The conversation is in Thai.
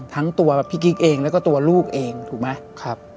ทั้งตัวพี่กิ๊กเองและก็ตัวลูกเองถูกไหม